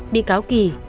bị cáo kì